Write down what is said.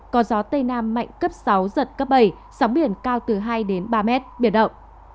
có gió tây nam mạnh cấp sáu giật cấp bảy sóng biển cao từ hai đến ba mét biển động